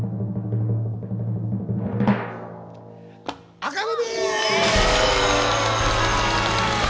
紅組！